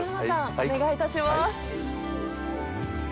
お願いいたします。